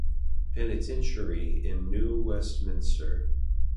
Penitentiary in New Westminster.